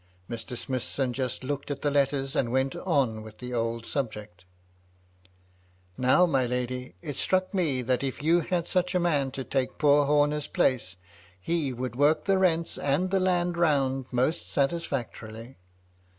Mr. Smithson just looked at the letters, and went on with the old subject *.' Now, my lady, it struck me that if you had such a man to take poor Homer's place, he would work the rents and the land round most satisfactorily.